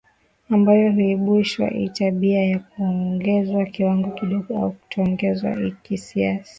ambayo huibushwa ii tabia ya kuongeza kiwango kidogo au kutoongeza iii kiasi